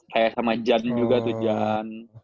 kayak sama jan juga tuh jan